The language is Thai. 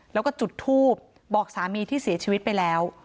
แล้วก็จุดทูบบอกสามีที่เสียชีวิตไปแล้ว